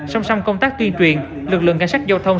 song song công tác tuyên truyền lực lượng cảnh sát giao thông